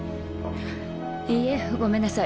いいえごめんなさい。